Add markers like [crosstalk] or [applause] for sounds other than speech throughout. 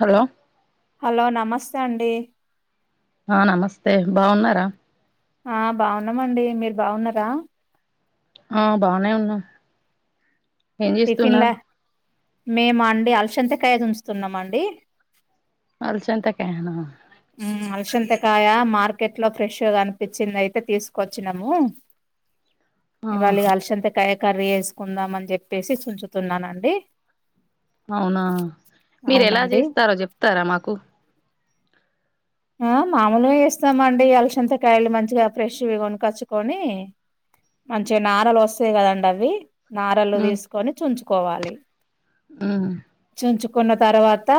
Hello hello నమస్తే అండి ఆ నమస్తే బాగున్నారా ఆ బాగున్నామండి మీరు బాగున్నారా ఆ బానే ఉన్నాం ఏం చేస్తున్నారు మేమ అండి అల్సంతకాయ చుంచుతున్నామండి అలసంత కాయన కాయ మార్కెట్లో ఫ్రెష్ గా కనిపించిందయితే తీసుకొచ్చినము ఆ ఇవాళ ఇగ అలసంతకాయ కర్రీ చేసుకుందాం అని చెప్పేసి చంచుతున్నానండి అవునా మీరు ఎలా అవునండి చేస్తారో చెప్తారా మాకు ఆ మామూలుగా చేస్తామండి అలసంతకాయలు మంచిగా ఫ్రెష్ వి కొనుకచ్చుకొని మంచిగా నారలు వస్తాయి కదండి అవి నారలు తీసుకొని చుంచుకోవాలి ఆ చుంచుకున్న తర్వాత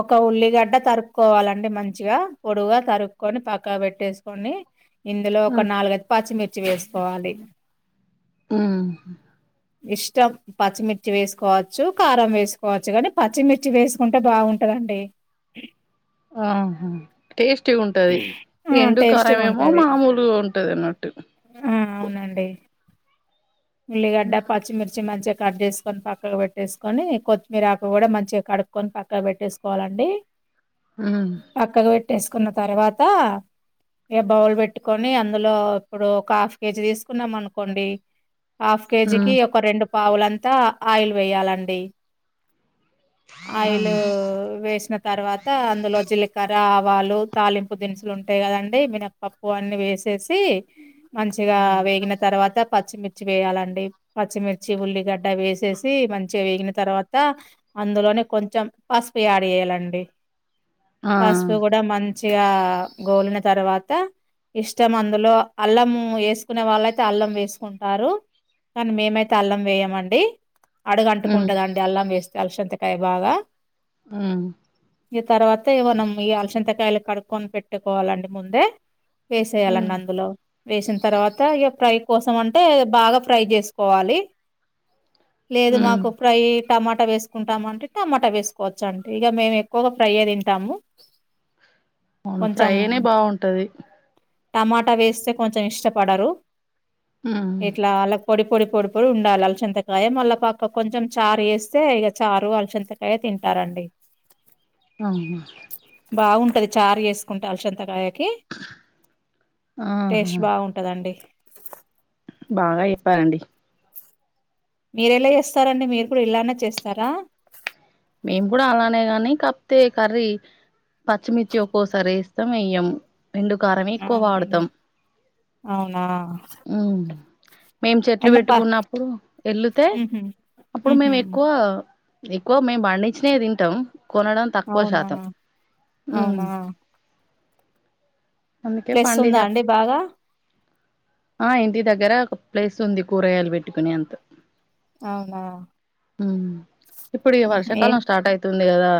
ఒక ఉల్లిగడ్డ తరు కోవాలండి మంచిగా పొడుగా తరుక్కకొని పక్క పెట్టేసుకొని ఇందులో ఒక నాలుగైదు పచ్చిమిర్చి వేసుకోవాలి ఆ ఇష్టం పచ్చిమిర్చి వేసుకోవచ్చు కారం వేసుకోవచ్చు కాని పచ్చిమిర్చి వేసుకుంటే బాగుంటది దంటడి ఆహా టేస్టీ గా ఉంటది ఆ ఎండు టేస్ట్గా కారం ఏమో ఉంటది మామూలుగా ఉంటది అన్నట్టు ఆ అవునండి ఉల్లిగడ్డ పచ్చిమిర్చి మధ్య కట్ చేసుకొని పక్కకు పెట్టేసుకొని కొత్తిమీర ఆకు కూడా మంచిగా కడుక్కకొని పక్కకు పెట్టేసుకోవాలండి ఉమ్ పక్కకు పెట్టేసుకున్న తర్వాత ఇగ బౌల్ పెట్టుకొని అందులో ఇప్పుడు ఒక హాఫ్ కేజీ తీసుకున్నాం అనుకోండి హాఫ్ కేజీకి ఉమ్ ఒక రెండు పావులంతా ఆయిల్ వేయాలండి ఆ ఆయిల్ వేసిన తర్వాత అందులో జీలకర్ర ఆవాలు తాలింపు దినుసులు ఉంటాయి కదండి మినపప్పు అన్ని వేసేసి మంచిగా ఉమ్ వేగిన తర్వాత పచ్చిమిర్చి వేయాలండి పచ్చిమిర్చి ఉల్లిగడ్డ వేసేసి మంచిగా వేగిన తర్వాత అందులోనే కొంచెం పసుపు యాడ్ చేయాలండి ఆ, పసుపు కూడా మంచిగా గోలిన తర్వాత ఇష్టం అందులో అల్లం వేసుకునే వాళ్ళుయితే అల్లం వేసుకుంటారు కానీ మేమైతే అల్లం వేయమండి అడుగు ఉమ్ అంటుకుంటది అండి అల్లం వేస్తే అలసంతకాయ బాగా ఉ ఇగ తర్వాత మనం ఈ అలసంతకాయలు కడుక్కొని పెట్టుకోవాలండి ముందే వేసేయాలండి ఉమ్ అందులో వేసిన తర్వాత ఇక ఫ్రై కోసం అంటే బాగా ఫ్రై చేసుకోవాలి లేదు ఉమ్, మాకు ప్రై టమాటా వేసుకుంటామంటే టమాటా వేసుకోవచ్చు అండి ఇక మేము ఎక్కువగా ఫ్రై ఏ తింటాము అవును ఫ్రై కొంచెం నే బాగుంటది టమాటా వేస్తే కొంచెం ఇష్టపడరు ఉమ్ ఇట్లా పొడి పొడి పొడి పొడి ఉండాలి అలసంతకాయ మళ్ళ పక్క కొంచెం చారు వేస్తే ఇక చారు అలసంతకాయ తింటారండి అవునా టది చారు చేసుకుంటే అలచంతకాయకి ఆహా టేస్ట్ బాగుంటదండి. బాగా చెప్పారండి. మీరెలా చేస్తారండి మీరు కూడా ఇలానే చేస్తరా. మేం కూడా అలానే కానీ కప్తే కర్రీ పచ్చిమిర్చి ఒక్కోసారి ఎస్తం ఎయ్యం. ఎండుకారమే ఎక్కువ వాడతం. అవునండి అవునా హ్ మేం చెట్లు అయినా ప పెట్టుకున్నప్పుడు ఎళ్ళుతే ఉహు అప్పుడు ఉహు మేము ఎక్కువా ఎక్కువ మేము పండించినయే తింటం. కొనడం తక్కువ అవునా శాతం. అవునా అందుకే ప్లస్ పండిన ఉందా అండి బాగా. ఆ ఇంటి దగ్గర ఒక ప్లేస్ ఉంది కూరగాయలు పెట్టుకునే అంతా. అవునా ఇప్పుడు ఇగ ఉహు వర్షా ఏం కాలం స్టార్ట్ అయితుంది కదా.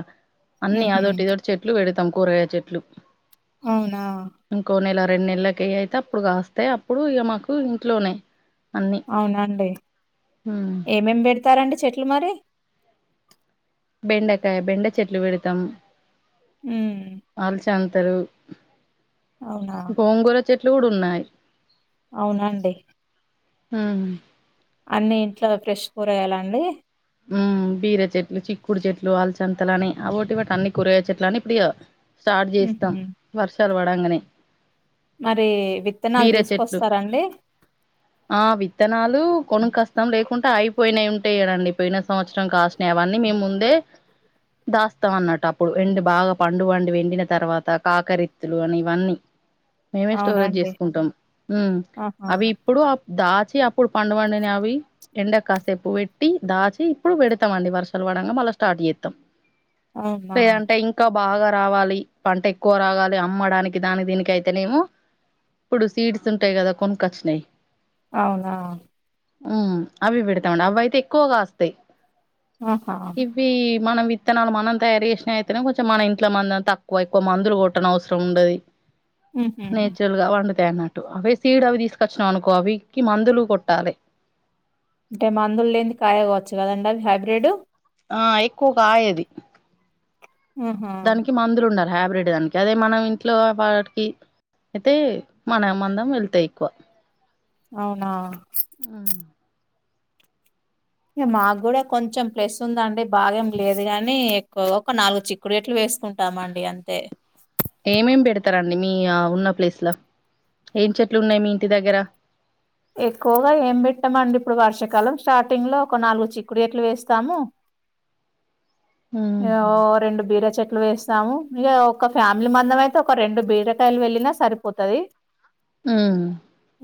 అన్ని ఉహు అదొటి ఇదొటి చెట్లు పెడతం కూరగాయ చెట్లు. అవునా ఇంకో నెల రెండు నెలలకేయతే అప్పుడు కాస్తయి, అప్పుడు ఇగ మాకు ఇంట్లోనే అన్నీ అవునా అండి. ఏమేమి పెడతారండి చెట్లు మరి? బెండకాయ బెండ చెట్లు పెడతం. హ్ చాంతరు. అవునా చెట్లు కూడా ఉన్నాయి. అవునాండి. ఆ అన్ని ఇంట్ల ఫ్రెష్ కూరగాయాల అండి. బీర చెట్లు, చిక్కుడు చెట్లు, అలచంతలని అవోటి ఇవోటి అన్ని కూరగాయ చెట్లు అన్ని ఇప్పుడు ఇగ స్టార్ట్ హుహు. చేస్తాం వర్షాలు పడంగనే. మరి విత్తనాలు తీసుకొస్తరండి. ఆ విత్తనాలు కొనుకస్తం లేకుంటే అయిపోయినయి ఉంటయి కదండి. పోయిన సంవత్సరం కాసినయి అవన్నీ మేము ముందే దాస్తాం అన్నట్టు. అప్పుడు ఎండి బాగా పండు పండి ఎండిన తర్వాత కాకరిత్తులు అని ఇవన్నీ. మేమే అవునా స్టోరేజ్ అండి? చేసుకుంటం. ఆహా! అవి ఇప్పుడు ఆ దా చి అప్పుడు పండు వండినయి అవి ఎండకు కాసేపు పెట్టి దాచి ఇప్పుడు పెడతమండి. వర్షాలు పడంగా మళ్ళా స్టార్ట్ చేస్తం, అవునా! లేదంటే ఇంకా బాగా రావాలి. పంట ఎక్కువ రాగాలి అమ్మడానికి దాని దీనికి అయితేనేమో ఇప్పుడు సీడ్స్ ఉంటయి కదా కొనుకచ్చినయి అవునా ఉ అవి పెడతామండి. అవి అయితే ఎక్కువ కాస్తయి. ఆహా మనం విత్తనాలు మనం తయారు చేశినయి అయితేనేమో కొంచెం మన ఇంట్ల మందం తక్కువ, ఎక్కువ మందులు కొట్టన అవసరం ఉండది. హుహు. నేచురల్గా వండు ఉంటయి అన్నట్టు. అవే సీడ్ అవి తీసుకచ్చినవనుకో అవీటికి మందులు కొట్టాలె. అంటే మందులు లేనిది కాయ కావచ్చు కదండి అవి హైబ్రిడ్. ఆ ఎక్కువ కాయది ఆహా! దానికి మందులు ఉండా హైబ్రిడ్ దానికి. అదే మనం ఇంట్లో వాటికి అయితే మన మందం వెళ్తాయి ఎక్కువ అవునా మాకు కూడా కొంచెం ప్లేస్ ఉందీ అండి బాగా ఏం లేదు గాని ఒక నాలుగు చిక్కుడు చెట్లు వేస్త వేసుకుంటామండి అంతే ఏమేం పెడతారండి మీ ఉన్న ప్లేస్ లో ఏం చెట్లు ఉన్నాయి మీ ఇంటి దగ్గర ఎక్కువగా ఏం పెట్టామండి ఇప్పుడు వర్షాకాలం స్టార్టింగ్ లో ఒక నాలుగు చిక్కుడు చెట్లు వేస్తాము ఓ రెండు బీర్ చెట్లు వేస్తాము ఇక ఒక ఫ్యామిలీ మందం అయితే ఒక రెండు బీరకాయలు వెళ్ళిన సరిపోతది ఉ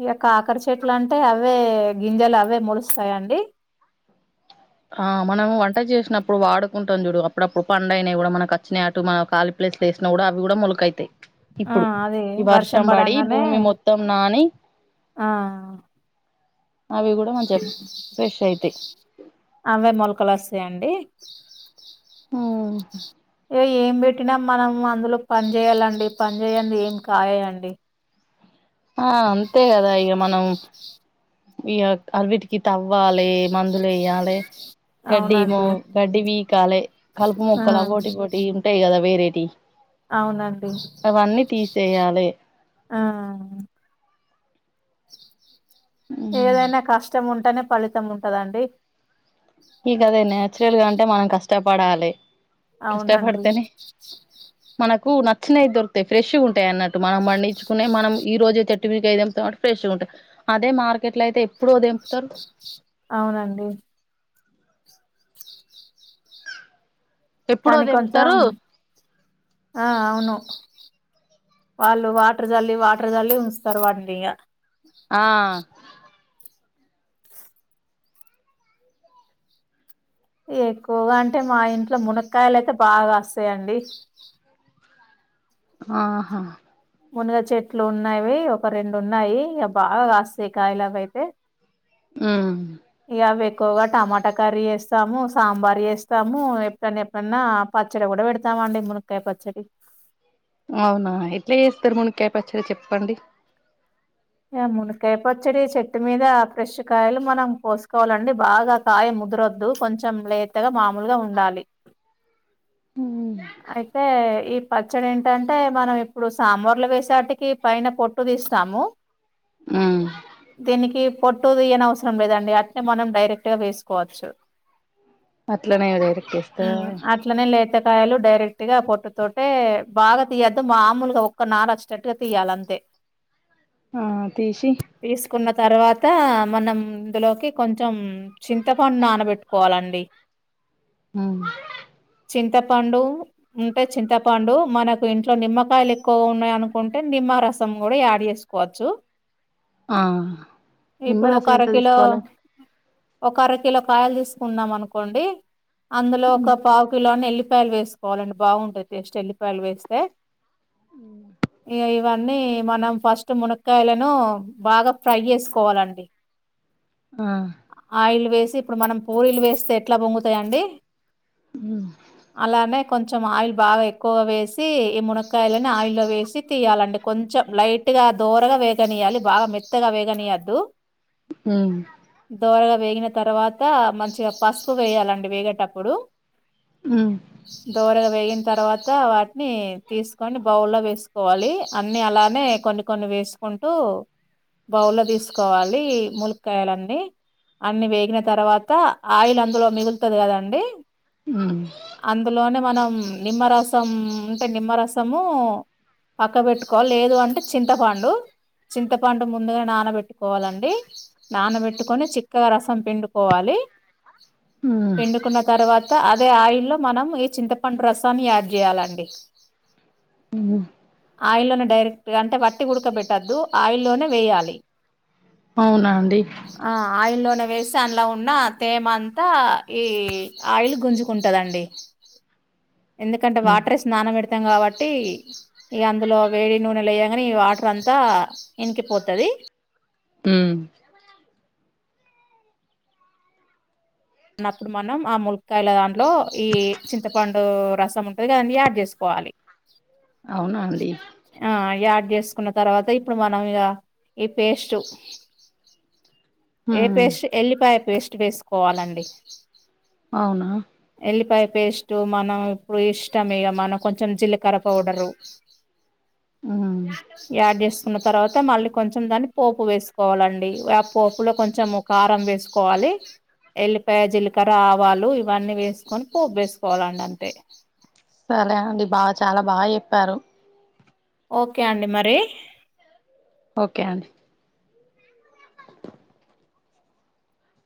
ఇగ కాకరి చెట్లు అంటే అవే గింజలు అవే మొలుస్తాయండీ ఆ మనం వంట చేసినప్పుడు వాడుకుంటాం చూడు అప్పుడప్పుడు పండు అయినవి కూడా మనకు వచ్చినటు మనం వాడుకుంటాం అట్ల వేసిన కూడా అవి కూడా మొలక అయితే ఆ ఇప్పుడు అది ఈ వర్షం పడి పడంగానే భూమి మొత్తం నాని ఆ అవి కూడా మంచిగా ఫ్రెష్ అయితే అవే మూలకలు వస్తాయండి ఆ ఇక ఏం పెట్టినా మనం అందులో పని చేయాలండి పని చేయదీ ఏం కాయాయండి ఆ అంతే కదా ఇక మనం ఇగ అవిటికి అవ్వాలే మందులు వేయాలే గడ్డమో అవునండి గడ్డి పీకాలే కలుపు ఆ మొక్కల అవ్వోటి ఇవ్వోటి ఉంటాయి కదా వేరే అవునండి తీసేయాలి ఆ ఏదైనా కష్టం ఉంటేనే ఫలితం ఉంటదండి ఈ కదే నాచురల్ గా అంటే మనం కష్టపడాలే అవునండి మనకు నచ్చినవి దొకుతాయి ఫ్రెష్ ఉంటాయి అన్నట్టు మనం పండించుకునేవి మనం ఈ రోజే చెట్టుమీద తెంపుతం కాబట్టి అదే మార్కెట్ లో అయితే ఎప్పుడో తెంపుతారు అవున అండి ఎప్పుడో కానీ కొంచెం తెంపుతారు ఆ అవును వాళ్ళు వాటర్ చల్లి వాటర్ చల్లి ఉంచుతారు వాడి ఇగ ఆ ఎక్కువగా అంటే మా ఇంట్లో ములక్కాయలు అయితే బాగా వస్తాయండి ఆహా మునుగ చెట్లు ఉన్నావి ఒక రెండు ఉన్నాయి ఇక బాగా కాస్తయి కాయలైతే అవి అయితే ఆ ఇగ ఎక్కువగా టమాటా కర్రీ చేస్తాము సాంబార్ చేస్తాము ఎప్పుడన్నా ఎప్పుడన్నా పచ్చడి కూడా పెడతామండి ములక్కాయ పచ్చడి అవునా ఎట్లే చేస్తారు ములక్కాయ పచ్చడి చెప్పండి ఆ మునక్కాయ పచ్చడి చెట్టు మీద ఫ్రెష్ కాయలు మనం కోసుకోవాలంటే బాగా కాయలు ముదురద్దు కొంచెం లేతగా మామూలుగా ఉండాలి ఉమ్ అయితే ఈ పచ్చడి ఏంటంటే మనం ఇప్పుడు సాంబార్లు వేసేటికి పైన పొట్టు తీస్తాము ఉమ్ దీనికి పొట్టు తీయవలసిన అవసరం లేదండి అట్లనే మనం డైరెక్ట్ గా వేసుకోవచ్చు అట్లనే డైరెక్ట్ చేస్తారా అట్లనే లేత కాయలు డైరెక్ట్ గా పొట్టుతోటే బాగా తీయద్దు మామూలుగా ఒక్క నారు వచ్చేటట్టుగా తీయాలే అంతే ఆ ఆ తిసి తర్వాత మనం ఇందులోకి కొంచెం చింతపండు నానబెట్టుకోవాలండి ఆ ఆ పండు ఉంటే చింతపండు మనకు ఇంట్లో నిమ్మకాయలు ఎక్కువగా ఉన్నాయి అనుకుంటే నిమ్మ రసం కూడా యాడ్ చేసుకోవచ్చు ఆ ఇప్పుడు ఒక నిమ్మరసం అర ఎంత కిలో తీసుకోవాలండి ఒక అర కిలో కాయలు తీసుకున్నాం అనుకోండి అందులో ఒక పావు కిలో అన్ని వెళ్ళి పాయలు వేసుకోవాలండి బాగుంటాది టేస్ట్ వెల్లిపాయలు వేస్తే ఇగ ఇవన్నీ మనం ఫస్ట్ మునక్కాయ లను బాగా ఫ్రై చేసుకోవాలండి ఆ ఆ ఆయిల్ వేసి ఇప్పుడు మనం పూరీలు వేస్తే ఎట్లా పొంగుతాయిండి మ్మ్ అలానే కొంచెం ఆయిల్ బాగా ఎక్కువగా వేసి ఈ మునక్కాయలను ఆయిల్లో వేసి తీయ్యాలండి కొంచ కొంచెం లైట్ గా దోరగా వేగనీయ్యాలి బాగా మెత్తగా వేగనీయద్దు ఉను వేగిన తర్వాత మంచిగా పసుపు వేయాలండి వేగేటప్పుడు ఉమ్ దోరగా వేయిన్ తర్వాత వాటిని తీసుకొని బౌల్ లో వేసుకోవాలి అన్ని అలానే కొన్ని కొన్ని వేసుకు కుంటూ బౌల్లో తీసుకోవాలి ముూనక్కయలన్నీ అన్ని వేగిన తర్వాత ఆయిల్ అందులో మిగులుతాది కదండి ఉను అందులోనే మనం నిమ్మరసం ఉంటే నిమ్మరసము పక్క పెట్టుకోవాలి లేదు అంటే చింతపండు చింతపండు ముందుగా నానబెట్టుకోవాలండి నానబెట్టుకొని చిక్కగా రసం పిండుకోవాలి ఉమ్ పిండుకున్న తర్వాత అదే ఆయిల్లో మనం ఈ చింతపండు రసం యాడ్ చేయాలండి ఉనా ఆయిల్లోనే డైరెక్ట్గా అంటే వట్టివి ఉడకబెట్టద్దు ఆయిల్లోనే వేయాలి అవునా అండి ఆ ఆయిల్లోనే వేస్తే అందులో ఉన్న తేమ అంతా ఈ ఆయిల్ గుంజుకుంటాదండి ఎందుకంటే ఉమ్ వాటర్ ఏసి నానపెడతాం కాబట్టి ఇక అందులో వేడి నూనెలో ఎయ్య మరి ఈ వాటర్ అంతా ఇంకిపోతాది మ్మ్ అప్పుడు మనం ఆ మునక్కాయల దాంట్లో ఈ చింతపండు రసం ఉంటాది కాద దాన్ని యాడ్ చేసుకోవాలి అవునా అండి వేసుకున్నా తర్వాత ఇప్పుడు మనం ఇగ ఆ పేస్ట్ ఏ ఉమ్ పేస్ట్ ఎల్లిపాయ పేస్ట్ వేసుకోవాలండి అవునా ఎల్లిపాయ పేస్ట్ మనం ఇప్పుడు ఇష్టం ఇక మనం కొంచెం జీలకర్ర పౌడరు ఉమ్ యాడ్ చేసుకున్న తర్వాత తర్వాత మళ్ళీ కొంచెం దాన్ని పోపు వేసుకోవాలండి ఆ పోపులో కొంచెం కారం వేసుకోవాలి ఎల్లిపాయ జీలకర్ర ఆవాలు ఇవన్నీ వేసుకొని పోబ్ వేసుకోవాలండి అంతే. ప్యారో ఓకే అండి మరి ఓకే అండి [inaudible]